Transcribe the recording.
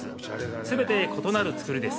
すべて異なる造りです。